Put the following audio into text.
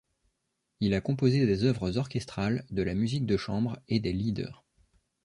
Il a composé des œuvres orchestrales, de la musique de chambre, et des lieder.